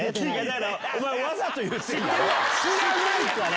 知らないから！